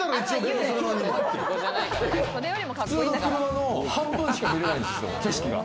普通の車の半分しか見れないんですよ、景色が。